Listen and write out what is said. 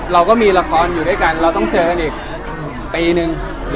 เราก็มีละครอยู่ด้วยกันเราต้องเจอกันอีกปีนึง